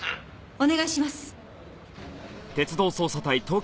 お願いします。